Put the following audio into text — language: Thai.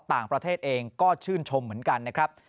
ต่างประเทศเองก็ชื่นชมเหมือนกันนะครับ